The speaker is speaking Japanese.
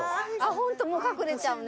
ホントもう隠れちゃうね。